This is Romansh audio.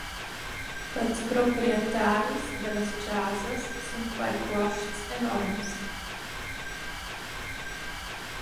Pels proprietaris da las chasas sun quai cuosts enorms.